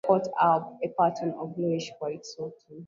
The tailor caught up a pattern of bluish white satin.